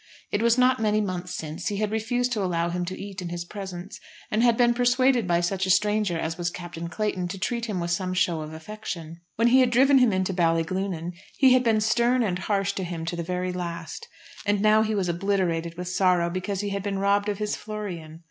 It was not many months since he had refused to allow him to eat in his presence, and had been persuaded by such a stranger as was Captain Clayton, to treat him with some show of affection. When he had driven him into Ballyglunin, he had been stern and harsh to him to the very last. And now he was obliterated with sorrow because he had been robbed of his Florian.